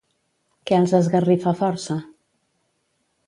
Què els esgarrifa força?